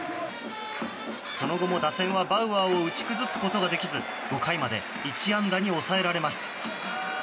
その後も打線はバウアーを打ち崩すことができず５回まで１安打に抑えられます。